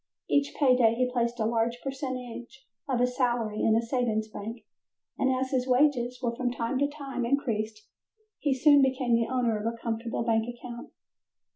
Each pay day he placed a large percentage of his salary in a savings bank, and as his wages were from time to time increased, he soon became the owner of a comfortable bank account.